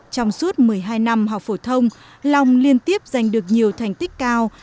trong suốt một mươi hai năm học phổ thông long liên tiếp giành được nhiều thành tích cao